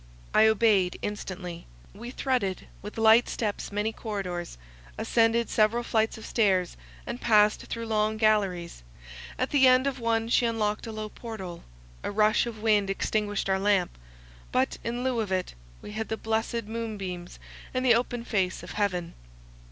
I obeyed instantly. We threaded with light steps many corridors, ascended several flights of stairs, and passed through long galleries; at the end of one she unlocked a low portal; a rush of wind extinguished our lamp; but, in lieu of it, we had the blessed moon beams and the open face of heaven.